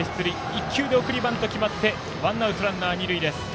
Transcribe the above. １球で送りバント決まってワンアウト、ランナー、二塁です。